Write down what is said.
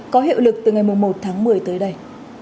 có hiệu lực từ ngày một tháng một mươi tới đây